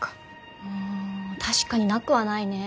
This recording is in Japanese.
うん確かになくはないね。